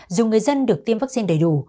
dù người dân được tiêm vaccine đầy đủ